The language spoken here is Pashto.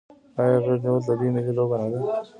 آیا غیږ نیول د دوی ملي لوبه نه ده؟